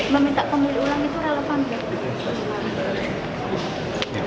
meminta pemilu ulang itu relevan